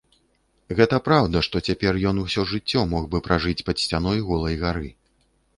Гэта праўда, што цяпер ён усё жыццё мог бы пражыць пад сцяной голай гары.